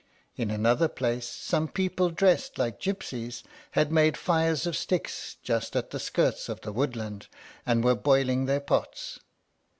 In another place some people dressed like gypsies had made fires of sticks just at the skirts of the woodland, and were boiling their pots.